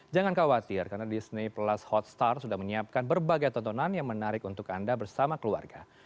jangan khawatir karena disney plus hotstar sudah menyiapkan berbagai tontonan yang menarik untuk anda bersama keluarga